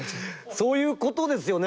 そういうことですよね。